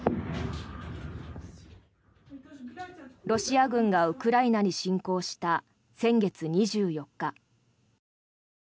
ロシア軍がウクライナに侵攻した先月２４日。